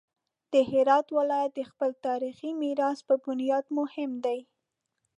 د هرات ولایت د خپل تاریخي میراث په بنیاد مهم دی.